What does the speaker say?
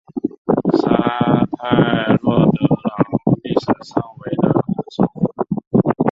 沙泰洛德朗历史上为的首府。